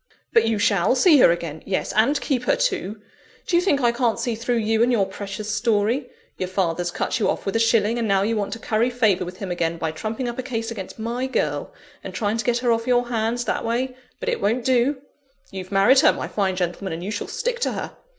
"But you shall see her again yes! and keep her too! Do you think I can't see through you and your precious story? Your father's cut you off with a shilling; and now you want to curry favour with him again by trumping up a case against my girl, and trying to get her off your hands that way. But it won't do! You've married her, my fine gentleman, and you shall stick to her!